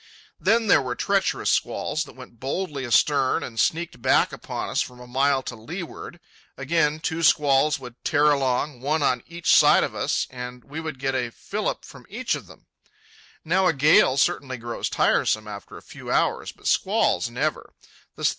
Then there were treacherous squalls that went boldly astern and sneaked back upon us from a mile to leeward. Again, two squalls would tear along, one on each side of us, and we would get a fillip from each of them. Now a gale certainly grows tiresome after a few hours, but squalls never.